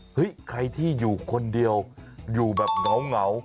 ใครที่อยู่คนเดียวอยู่แบบเหงา